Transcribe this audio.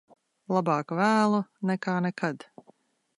Labāk vēlu nekā nekad.